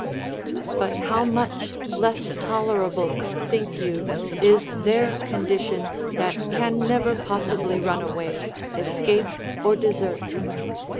But how much less tolerable, think you, is their condition, that can never possibly run away, escape, or desert?